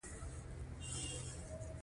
دوی اهل سنت ډول وډنګاوه